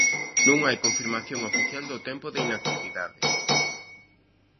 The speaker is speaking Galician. Non hai confirmación oficial do tempo de inactividade.